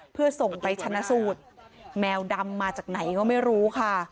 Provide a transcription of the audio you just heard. เพื่อส่งไปชนะสูตรแมวดำมาจากไหนก็ไม่รู้ค่ะ